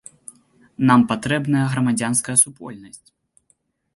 Нам патрэбная грамадзянская супольнасць.